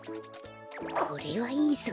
これはいいぞ。